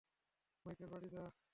Michael বাড়ি যা।